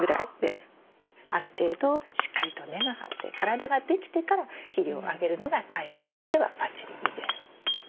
ある程度しっかりと根が張って体ができてから肥料をあげるのがタイミングとしてはバッチリいいです。